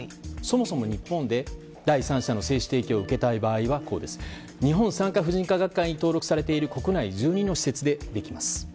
そもそも日本で第三者の精子提供を受けたい場合は日本産科婦人科学会に登録されている国内１２の施設でできます。